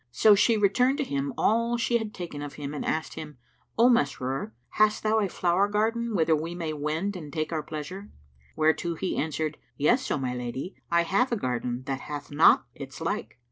So she returned to him all she had taken of him and asked him, "O Masrur, hast thou a flower garden whither we may wend and take our pleasure?"; whereto he answered, "Yes, O my lady, I have a garden that hath not its like."